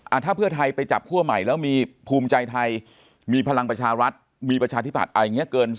ถ้าเพื่อไทยไปจับคั่วใหม่แล้วมีภูมิใจไทยมีพลังประชารัฐมีประชาธิบัติอะไรอย่างเงี้เกิน